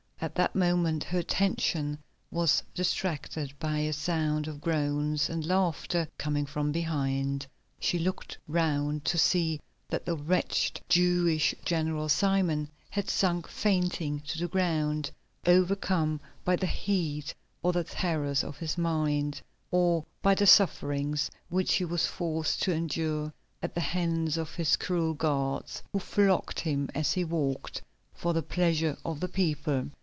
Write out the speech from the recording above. At that moment her attention was distracted by a sound of groans and laughter coming from behind. She looked round to see that the wretched Jewish general, Simon, had sunk fainting to the ground, overcome by the heat, or the terrors of his mind, or by the sufferings which he was forced to endure at the hands of his cruel guards, who flogged him as he walked, for the pleasure of the people.